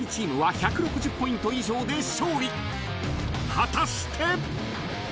［果たして！？］